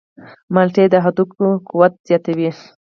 مالټې د هډوکو قوت زیاتوي.